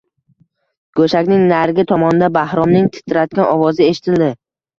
Go`shakning narigi tomonida Bahromning titragan ovozi eshitildi